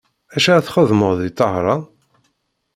Acu ara txedmeḍ di Tahran?